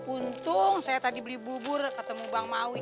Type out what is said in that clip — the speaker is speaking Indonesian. untung saya tadi beli bubur ketemu bang mauin